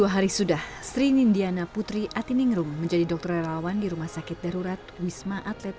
dua hari sudah sri nindiana putri atiningrum menjadi dokter relawan di rumah sakit darurat wisma atlet